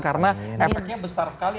karena efeknya besar sekali